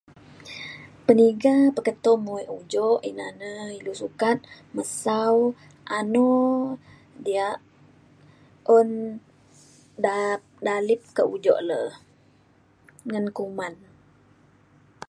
peniga peketo mue' ujuk ina ne ilu sukat mesau ano diak un da dalip ke ujuk le ngan kuman.